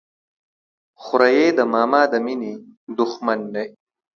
خوريي د ماما د ميني د ښمن دى.